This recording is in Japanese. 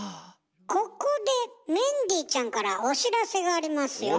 ここでメンディーちゃんからお知らせがありますよ。